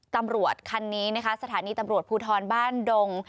ตำรวจคันนี้นะคะสถานีตำรวจภูทรบ้านดง